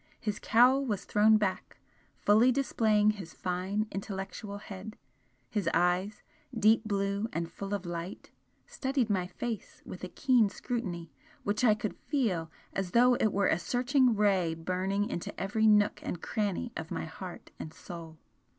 His cowl was thrown back, fully displaying his fine intellectual head his eyes, deep blue and full of light, studied my face with a keen scrutiny which I could FEEL as though it were a searching ray burning into every nook and cranny of my heart and soul.